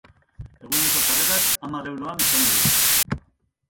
Eguneko sarrerak hamar euroan izango dira.